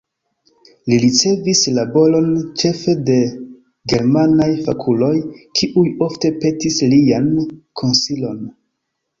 Li ricevis laboron ĉefe de germanaj fakuloj, kiuj ofte petis lian konsilon.